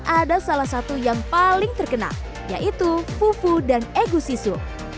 ada salah satu yang paling terkenal yaitu fufu dan egusisu